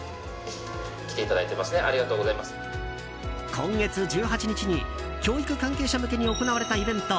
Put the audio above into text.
今月１８日に教育関係者向けに行われたイベント